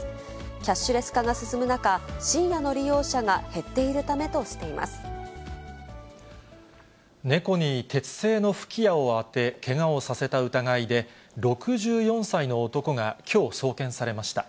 キャッシュレス化が進む中、深夜の利用者が減っているためと猫に鉄製の吹き矢を当て、けがをさせた疑いで６４歳の男がきょう、送検されました。